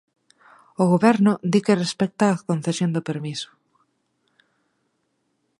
O goberno di que respecta a concesión do permiso.